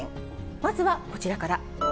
まずはこちらから。